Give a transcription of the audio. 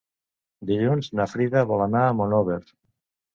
Dilluns na Frida vol anar a Monòver.